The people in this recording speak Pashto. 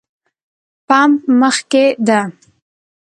پمپ مخکې ده